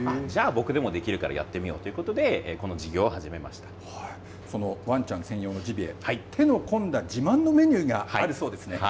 僕でもできるからやってみようということでワンちゃん専用のジビエ手の込んだ自慢のメニューがあるそうですね。